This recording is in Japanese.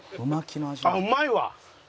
あっうまいわ！